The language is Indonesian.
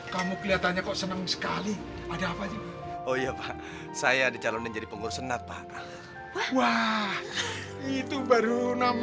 kamu kelihatannya kok senang sekali ada apa ibu